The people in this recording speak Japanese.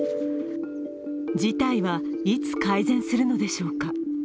事態はいつ改善するのでしょうか。